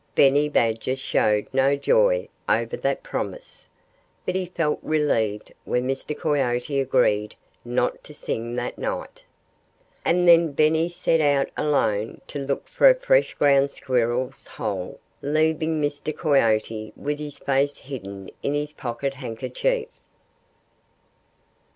Benny Badger showed no joy over that promise. But he felt relieved when Mr. Coyote agreed not to sing that night. And then Benny set out alone to look for a fresh Ground Squirrel's hole, leaving Mr. Coyote with his face hidden in his pocket handkerchief.